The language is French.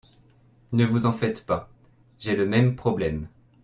Ne vous en faites pas. J'ai le même problème.